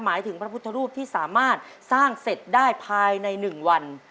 หมายถึงพระพุทธรูปที่สามารถสร้างเสร็จได้ภายใน๑วัน